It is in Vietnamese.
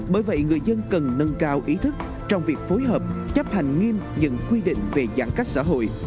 bởi vậy người dân cần nâng cao ý thức trong việc phối hợp chấp hành nghiêm những quy định về giãn cách xã hội